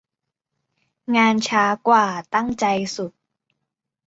งานช้ากว่าตั้งใจสุด